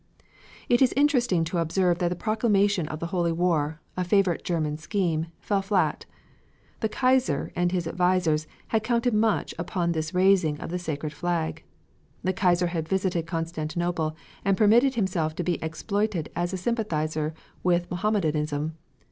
It is interesting to observe that the proclamation of the holy war, a favorite German scheme, fell flat. The Kaiser, and his advisers, had counted much upon this raising of the sacred flag. The Kaiser had visited Constantinople and permitted himself to be exploited as a sympathizer with Mohammedanism.